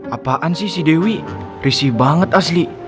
apaan sih si dewi risih banget asli